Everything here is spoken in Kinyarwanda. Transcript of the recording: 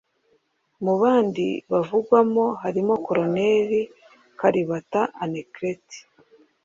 Mu bandi bavugwamo harimo Col Kalibata Anaclet